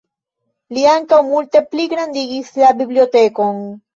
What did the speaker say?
Li ankaŭ multe pligrandigis la bibliotekon.